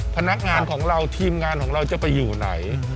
พนักงานของเราทีมงานของเราจะไปอยู่ไหน